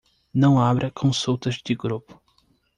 Não abra consultas de grupo